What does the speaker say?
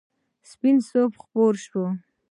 سپین صبح خپور شو.